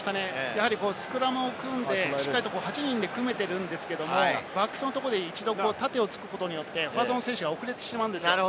スクラムを組んでしっかりと８人で組めてるんですけれども、バックスのところで一度縦をつくことによって、フォワードの選手が遅れてしまうんですよ。